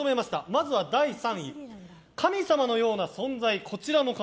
まずは第３位、神様のような存在。